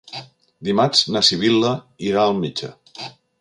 Dimarts na Sibil·la irà al metge.